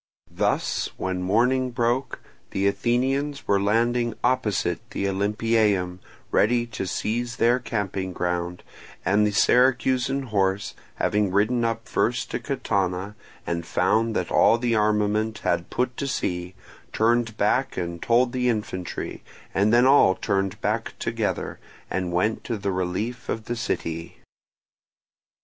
Thus, when morning broke the Athenians were landing opposite the Olympieum ready to seize their camping ground, and the Syracusan horse having ridden up first to Catana and found that all the armament had put to sea, turned back and told the infantry, and then all turned back together, and went to the relief of the city.